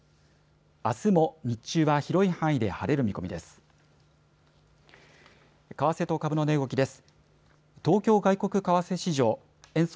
あすも日中は広い範囲で晴れる見込みです。